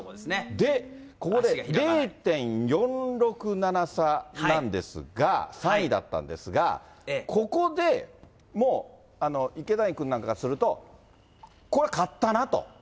で、ここで、０．４６７差なんですが、３位だったんですが、ここでもう、池谷君なんかからすると、これ勝ったなと。